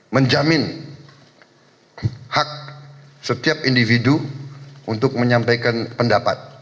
menjamin hak setiap individu untuk menyampaikan pendapat